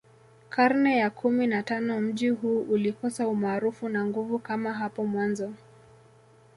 Karne ya kumi na tano mji huu ulikosa umaarufu na nguvu kama hapo mwanzo